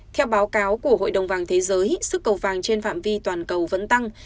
theo báo cáo của hội đồng vàng thế giới sức cầu vàng trên phạm vi toàn cầu vẫn tăng